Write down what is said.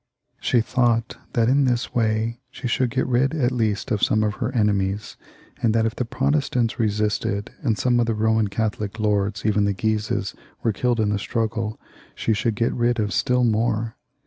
She thought that in this way she should get rid at least of some of her enemies, and that if the Protestants resisted, and some of the Soman Catholic lords, even the Guises, were killed in the struggle, she should get rid of still more.